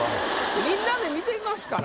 みんなで見てみますから。